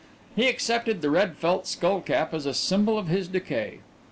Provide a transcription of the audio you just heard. He accepted the red felt skull cap as a symbol of his decay.